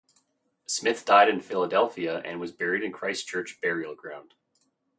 Smith died in Philadelphia and was buried in Christ Church Burial Ground.